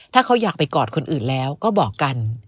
ถ้าเขาอยากไปกอดคนอื่นแล้วก็บอกกัน